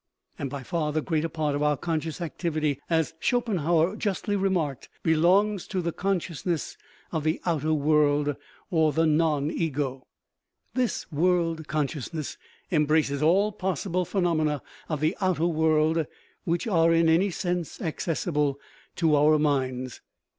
By far the greater part of our conscious activity, as Schopenhauer justly remarked, belongs to the con sciousness of the outer world, or the non ego: this world consciousness embraces all possible phenomena of the outer world which are in any sense accessible to our minds.